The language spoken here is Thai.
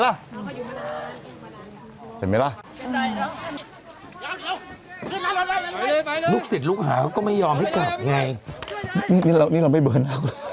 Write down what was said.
เราจะได้ยินเสียงกรีดร้องแล้วก็ปะโกน